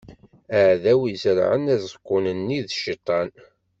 Aɛdaw i izerɛen aẓekkun-nni, d Cciṭan.